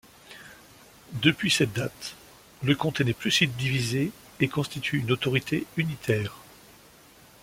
Depuis cette date, le comté n'est plus subdivisé et constitue une autorité unitaire.